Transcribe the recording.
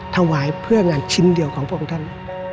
ถวายเพื่องานชิ้นเดียวของพระองค์ท่าน